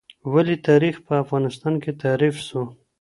ولې تاریخ په افغانستان کې تحریف سو؟